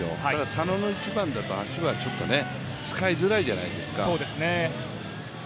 佐野の１番だと、足はちょっと使いづらいじゃないですか。